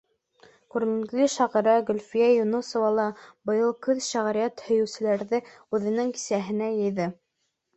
Күренекле шағирә Гөлфиә Юнысова ла быйыл көҙ шиғриәт һөйөүселәрҙе үҙенең кисәһенә йыйҙы.